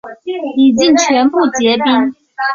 已经全部结冰